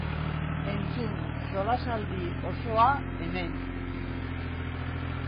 Entzun solasaldi osoa hemen!